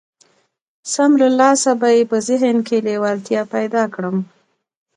سم له لاسه به يې په ذهن کې لېوالتيا پيدا کړم.